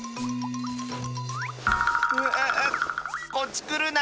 うああこっちくるな！